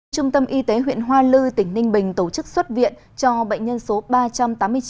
trung tâm y tế huyện hoa lư tỉnh ninh bình tổ chức xuất viện cho bệnh nhân số ba trăm tám mươi chín